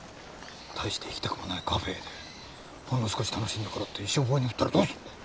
大して行きたくもないカフェーでほんの少し楽しんだからって一生を棒に振ったらどうする！？